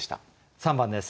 ３番です。